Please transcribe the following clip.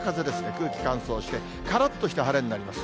空気乾燥して、からっとした晴れになります。